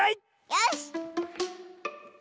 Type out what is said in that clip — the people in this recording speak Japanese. よし！